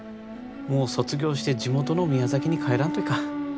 もう卒業して地元の宮崎に帰らんといかん。